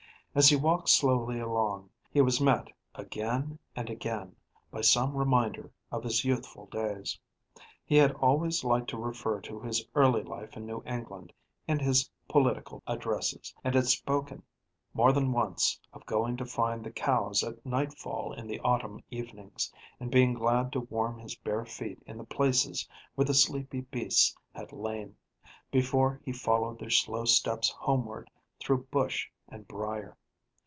As he walked slowly along, he was met again and again by some reminder of his youthful days. He had always liked to refer to his early life in New England in his political addresses, and had spoken more than once of going to find the cows at nightfall in the autumn evenings, and being glad to warm his bare feet in the places where the sleepy beasts had lain, before he followed their slow steps homeward through bush and brier.